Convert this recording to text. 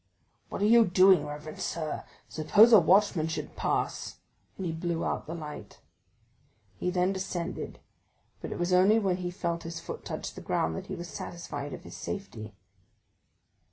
"What are you doing, reverend sir? Suppose a watchman should pass?" And he blew out the light. He then descended, but it was only when he felt his foot touch the ground that he was satisfied of his safety.